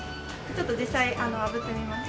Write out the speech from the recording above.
ちょっと実際あぶってみます。